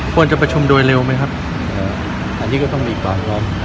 ของจะประชุมโดยเร็วไหมครับ